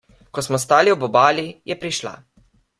Ko smo stali ob obali, je prišla.